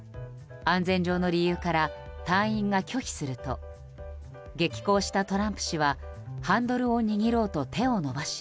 安全上の理由から隊員が拒否すると激高したトランプ氏はハンドルを握ろうと手を伸ばし